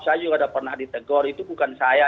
saya juga pernah ditegur itu bukan saya